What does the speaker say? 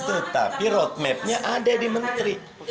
tetapi roadmapnya ada di menteri